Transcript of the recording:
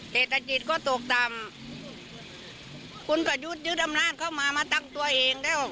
เศรษฐกิจก็ตกต่ำคุณประยุทธ์ยึดอำนาจเข้ามามาตั้งตัวเองแล้ว